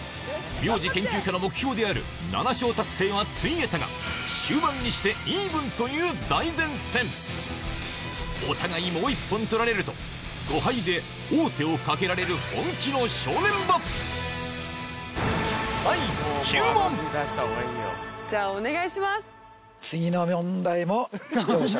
名字研究家の目標であるお互いもう一本取られると５敗で王手をかけられる本気のはいはい。